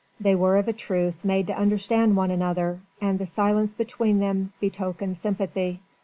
They were of a truth made to understand one another, and the silence between them betokened sympathy.